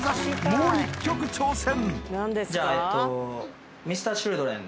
もう１曲挑戦！